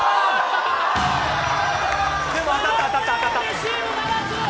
レシーブならず！